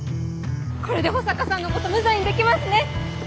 これで保坂さんのこと無罪にできますね！